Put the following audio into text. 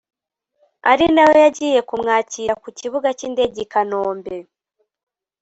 ari nayo yari yagiye kumwakira ku kibuga cy’indege i Kanombe